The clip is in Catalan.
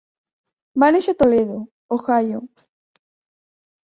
Va néixer a Toledo, Ohio.